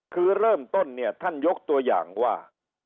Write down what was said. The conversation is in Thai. คือเริ่มต้นเนี่ยท่านยกตัวอย่างว่า